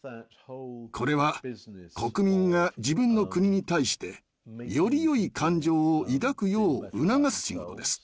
これは国民が自分の国に対して「よりよい感情」を抱くよう促す仕事です。